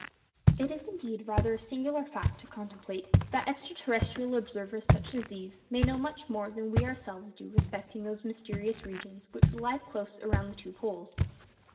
It is, indeed, rather a singular fact to contemplate, that ex terrestrial observers, such as these, may know much more than we ourselves do respecting those mysterious regions which lie close around the two poles.